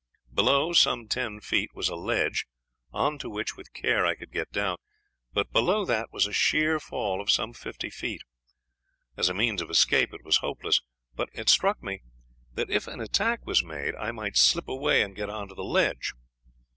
Below, some ten feet, was a ledge, on to which with care I could get down, but below that was a sheer fall of some fifty feet. As a means of escape it was hopeless, but it struck me that if an attack was made I might slip away and get on to the ledge.